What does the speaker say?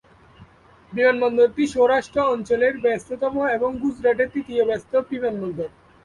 বিমানবন্দরটি সৌরাষ্ট্র অঞ্চল-এর ব্যস্ততম ও গুজরাটের তৃতীয় ব্যস্ত বিমানবন্দর।